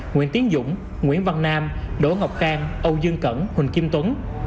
nguyễn tiến dũng nguyễn văn nam đỗ ngọc khang âu dương cẩn huỳnh kim tuấn